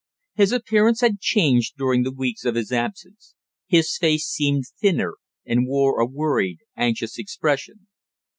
His appearance had changed during the weeks of his absence: his face seemed thinner and wore a worried, anxious expression.